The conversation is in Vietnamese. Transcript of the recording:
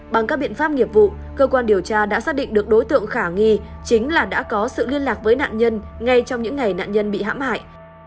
bằng các biện pháp nghiệp vụ cơ quan điều tra đã xác định được đối tượng khả nghi chính là đã có sự liên lạc với nạn nhân ngay trong những ngày nạn nhân bị hãm hại